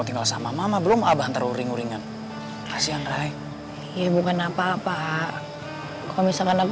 tinggal sama mama belum abah ntar uring uringan kasihan rai ya bukan apa apa kalau misalkan aku